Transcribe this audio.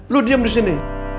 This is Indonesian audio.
lu diam disini